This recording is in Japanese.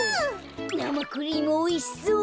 なまクリームおいしそう。